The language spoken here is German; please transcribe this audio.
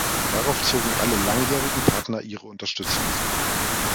Daraufhin zogen alle langjährigen Partner ihre Unterstützung zurück.